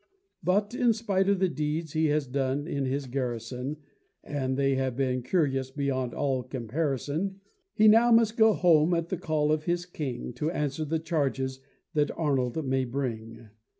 But in spite of the deeds he has done in his garrison (And they have been curious beyond all comparison), He now must go home, at the call of his king, To answer the charges that Arnold may bring.